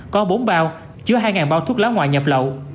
có bốn bao chứa hai bao thuốc lá ngoại nhập lậu